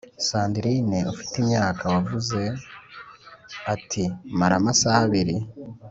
Sandrine u te imyaka wavuze ati mara amasaha abiri